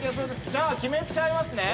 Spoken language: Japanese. じゃあ決めちゃいますね。